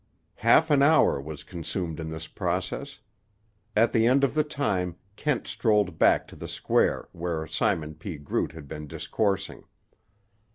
Half an hour was consumed in this process. At the end of the time Kent strolled back to the Square where Simon P. Groot had been discoursing.